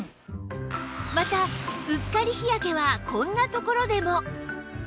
またうっかり日焼けはこんなところでも！